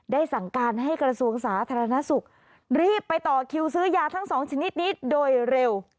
สั่งการให้กระทรวงสาธารณสุขรีบไปต่อคิวซื้อยาทั้งสองชนิดนี้โดยเร็ว